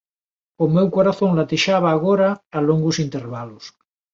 O meu corazón latexaba agora a longos intervalos.